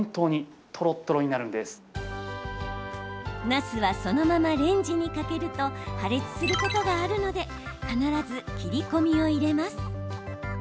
なすはそのままレンジにかけると破裂することがあるので必ず切り込みを入れます。